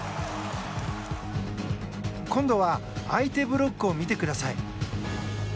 今度は相手ブロックを見てください。